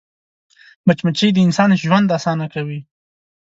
مچمچۍ د انسان ژوند اسانه کوي